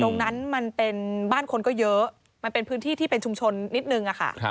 มันเป็นบ้านคนก็เยอะมันเป็นพื้นที่ที่เป็นชุมชนนิดนึงค่ะ